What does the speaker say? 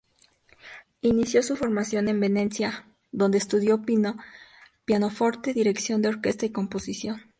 Inició su formación en Venecia, donde estudió pianoforte, dirección de orquesta y composición.